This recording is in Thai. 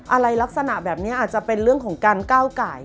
อะไรลักษณะแบบนี้อาจจะเป็นเรื่องของการก้าวไก่